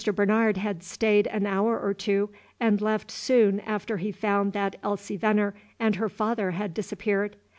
Bernard had stayed an hour or two, and left soon after he found that Elsie Venner and her father had disappeared.